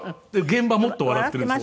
現場もっと笑っているんですよ。